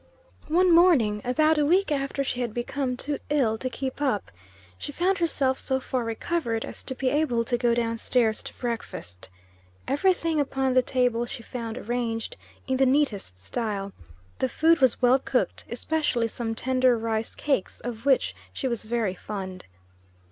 One morning, about a week after she had become too ill to keep up, she found herself so far recovered as to be able to go down stairs to breakfast. Every thing upon the table she found arranged in the neatest style. The food was well cooked, especially some tender rice cakes, of which she was very fond.